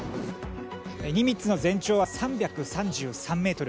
「ニミッツ」の全長は３３３ｍ。